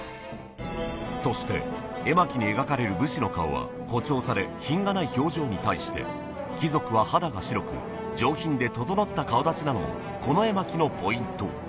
そして絵巻に描かれる武士の顔は誇張され品がない表情に対して貴族は肌が白く上品で整った顔立ちなのもこの絵巻のポイント